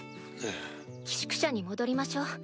寄宿舎に戻りましょう。